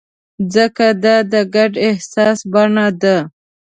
ځکه دا د ګډ احساس بڼه ده.